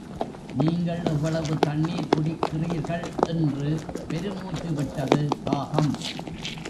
நீங்கள் எவ்வளவு தண்ணிர் குடிக்கிறீர்கள்? என்று பெருமூச்சு விட்டது, காகம்.